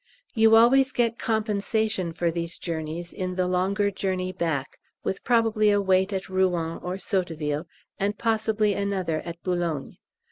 You always get compensation for these journeys in the longer journey back, with probably a wait at Rouen or Sotteville, and possibly another at Boulogne.